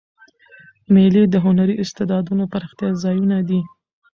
مېلې د هنري استعدادو د پراختیا ځایونه دي.